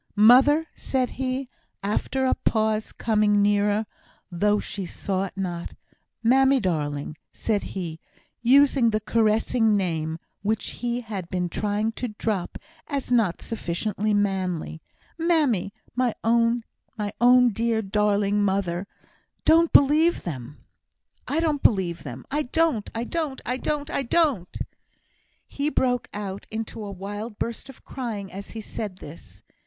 "Mother," said he, after a pause, coming nearer, though she saw it not "mammy darling," said he, using the caressing name, which he had been trying to drop as not sufficiently manly, "mammy, my own, own dear, dear, darling mother, I don't believe them I don't, I don't, I don't, I don't!" He broke out into a wild burst of crying as he said this.